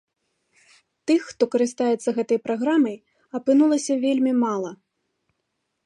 Тых, хто карыстаецца гэтай праграмай, апынулася вельмі мала.